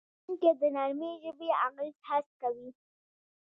پیرودونکی د نرمې ژبې اغېز حس کوي.